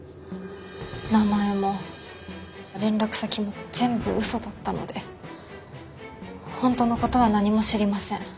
名前も連絡先も全部嘘だったので本当の事は何も知りません。